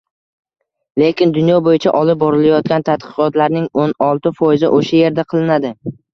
lekin dunyo boʻyicha olib borilayotgan tadqiqotlarning o'n olti foizi oʻsha yerda qilinadi.